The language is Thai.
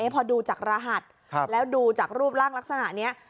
พอดูจากรหัสแล้วดูจากรูปร่างลักษณะนี้